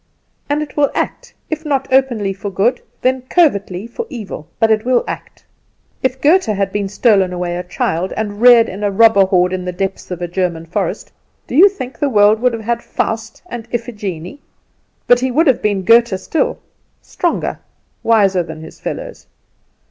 And it will act, if not openly for good, then covertly for evil; but it will act. If Goethe had been stolen away a child, and reared in a robber horde in the depths of a German forest, do you think the world would have had "Faust" and "Iphegenie?" But he would have been Goethe still stronger, wiser than his fellows.